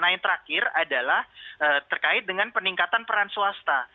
nah yang terakhir adalah terkait dengan peningkatan peran swasta